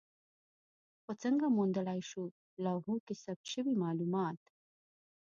خو څنګه موندلای شو لوحو کې ثبت شوي مالومات؟